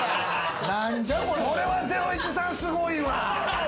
それは『ゼロイチ』さん、すごいわ！